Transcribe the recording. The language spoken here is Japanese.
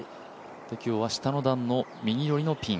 今日は下の段の右寄りのピン。